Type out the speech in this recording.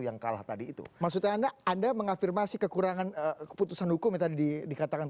yang kalah tadi itu maksudnya anda anda mengafirmasi kekurangan keputusan hukum yang tadi dikatakan